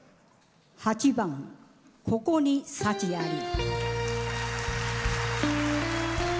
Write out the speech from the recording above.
８番「ここに幸あり」。